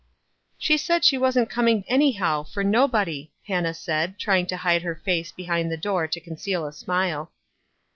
" She said she wasn't coming anyhow, for no body," Hannah said, trying to hide her face be hind the door to conceal a smile.